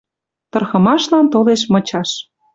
Тырхымашлан толеш мычаш.